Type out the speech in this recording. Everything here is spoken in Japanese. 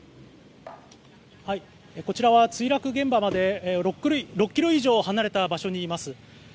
こちらは墜落現場まで６ｋｍ以上離れた場所にいます。